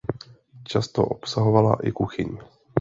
Často obsahovala i kuchyň.